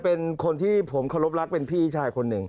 เป็นคนที่ผมเคารพรักเป็นพี่ชายคนหนึ่ง